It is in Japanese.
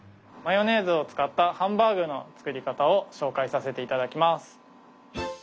マヨネーズを使ったハンバーグの作り方を紹介させて頂きます。